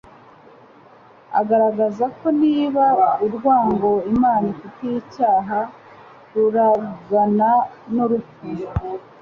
Agaragaza ko niba urwango Imana ifitiye icyaha rurugana n'urupfu,